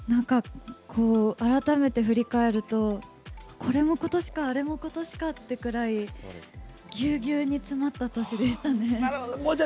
改めて振り返るとこれも今年かあれも今年かってくらいぎゅーぎゅーに詰まった年でしたね。